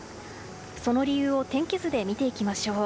その理由を天気図で見ていきましょう。